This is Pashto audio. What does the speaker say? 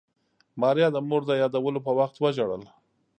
ماريا د مور د يادولو په وخت وژړل.